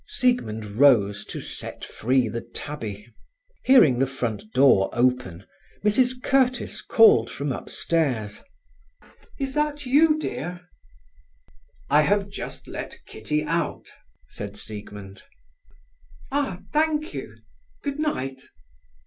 Siegmund rose to set free the tabby. Hearing the front door open, Mrs Curtiss called from upstairs: "Is that you, dear?" "I have just let Kitty out," said Siegmund. "Ah, thank you. Good night!"